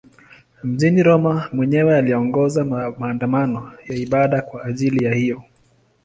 Mjini Roma mwenyewe aliongoza maandamano ya ibada kwa ajili hiyo.